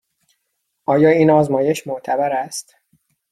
آیا این آزمایش معتبر است؟